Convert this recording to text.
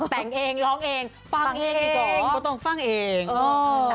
แต่งเองร้องเองฟังเองดีกว่าก็ต้องฟังเองเออ